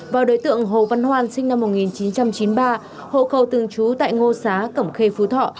và đối tượng hồ văn hoan sinh năm một nghìn chín trăm chín mươi ba hộ khẩu thường trú tại ngô xá cẩm khê phú thọ